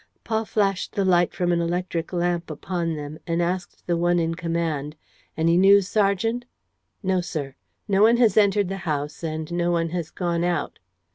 Paul flashed the light from an electric lamp upon them and asked the one in command: "Any news, sergeant?" "No, sir. No one has entered the house and no one has gone out."